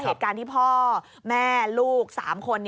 เหตุการณ์ที่พ่อแม่ลูก๓คน